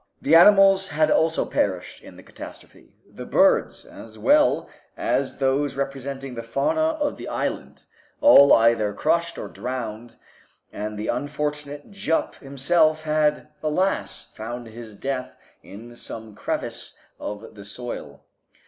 The animals had also perished in the catastrophe; the birds, as well as those representing the fauna of the island all either crushed or drowned, and the unfortunate Jup himself had, alas! found his death in some crevice of the soil.